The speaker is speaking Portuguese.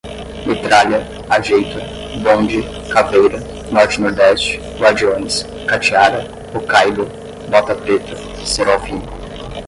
metralha, ajeita, bonde, caveira, norte-nordeste, guardiões, katiara, okaida, bota preta, cerol fino